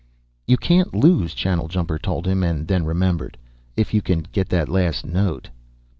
"You can't lose," Channeljumper told him, and then remembered, "if you can get that last note."